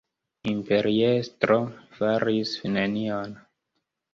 Imperiestro faris nenion.